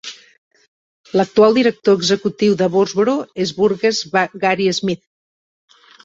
L'actual director executiu de Woodsboro és Burgess Gary Smith.